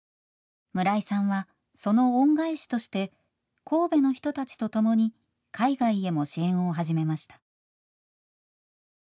村井さんはその恩返しとして神戸の人たちと共に海外へも支援を始めました。